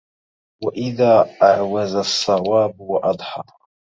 وإذا أعوز الصواب وأضحى